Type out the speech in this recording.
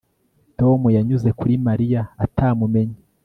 Tom yanyuze kuri Mariya atamumenye